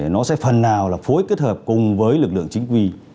nó sẽ phần nào là phối kết hợp cùng với lực lượng chính quy